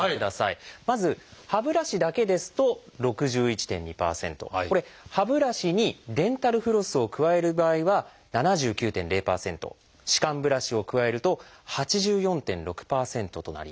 まず歯ブラシだけですと６１．２％これ歯ブラシにデンタルフロスを加える場合は７９．０％歯間ブラシを加えると８４．６％となります。